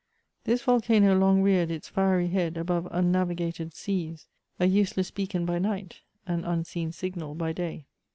This volcano long reared its fiery •head above unnavigated seas; a useless beacon by night, an un seen signal by day.